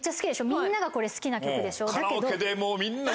みんながこれ好きな曲でしょ？